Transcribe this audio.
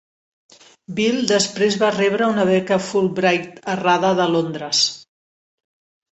Bill, després va rebre una beca Fulbright a RADA de Londres.